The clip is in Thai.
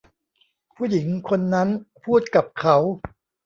ผู้หญิงคนนั้นพูดกับเขา